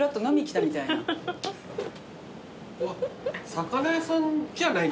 魚屋さんではない。